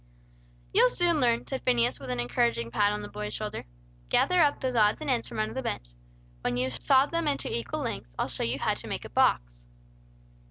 "You'll soon learn," said Phineas, with an encouraging pat on the boy's shoulder. "Gather up those odds and ends under the bench. When you've sawed them into equal lengths, I'll show you how to make a box."